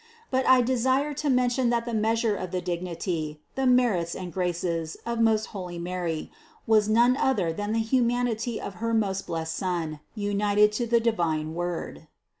But I desire to men tion that the measure of the dignity, the merits and graces of most holy Mary, was none other than the hu manity of her most blessed Son, united to the divine Word.